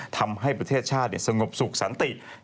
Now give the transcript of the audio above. ทำให้ประเทศชาติสงบสุขสันติ